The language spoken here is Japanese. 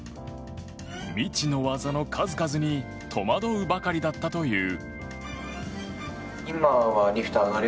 未知の技の数々に戸惑うばかりだったという。